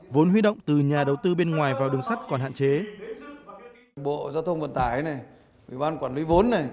vốn huy động từ nhà đầu tư bên ngoài vào đường sắt còn hạn chế